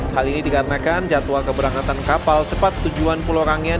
hal ini dikarenakan jadwal keberangkatan kapal cepat tujuan pulau ranggen